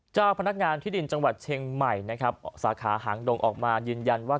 เจ้าพนักงานที่ดินจังหวัดเชียงใหม่นะครับสาขาหางดงออกมายืนยันว่า